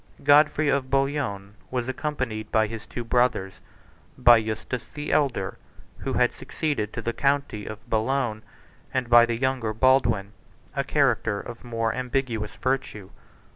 Godfrey of Bouillon 45 was accompanied by his two brothers, by Eustace the elder, who had succeeded to the county of Boulogne, and by the younger, Baldwin, a character of more ambiguous virtue.